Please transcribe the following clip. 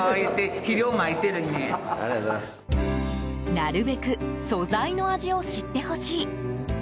なるべく素材の味を知ってほしい。